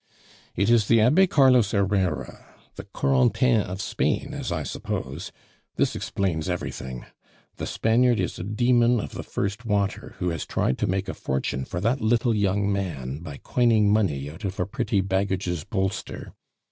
"It is the Abbe Carlos Herrera, the Corentin of Spain, as I suppose. This explains everything. The Spaniard is a demon of the first water, who has tried to make a fortune for that little young man by coining money out of a pretty baggage's bolster.